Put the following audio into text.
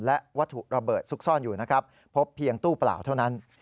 และวัตถุระเบิดซุกซ่อนอยู่นะครับพบเพียงตู้เปล่าเท่านั้น